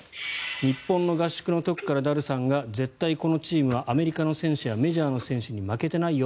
日本の合宿の時からダルさんが絶対このチームはアメリカの選手やメジャーの選手に負けてないよ